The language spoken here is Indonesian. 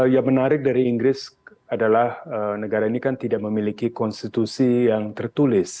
yang menarik dari inggris adalah negara ini kan tidak memiliki konstitusi yang tertulis